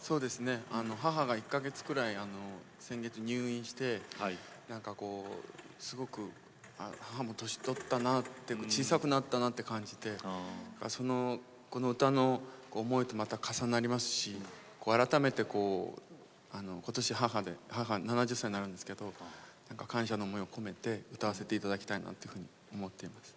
母が１か月くらい先月入院してすごく母も年取ったなって小さくなったなって感じてこの歌の思いとまた重なりますし改めて今年母７０歳になるんですけど感謝の思いを込めて歌わせて頂きたいなと思っています。